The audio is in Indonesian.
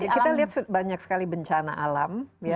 kita lihat banyak sekali bencana alam